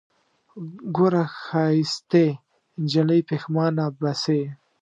ګوره ښايستې نجلۍ پښېمانه به سې